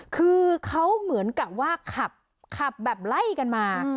คือเขาเหมือนกับว่าขับขับแบบไล่กันมา